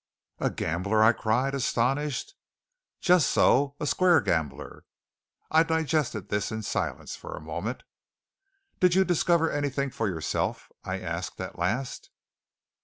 "A gambler?" I cried, astonished. "Just so a square gambler." I digested this in silence for a moment. "Did you discover anything for yourself?" I asked at last.